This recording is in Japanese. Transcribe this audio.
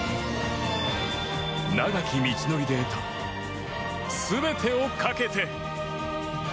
長き道のりで得た全てをかけて。